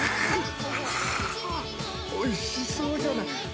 おいしそうじゃない。